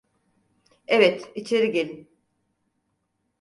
Evet, içeri gelin.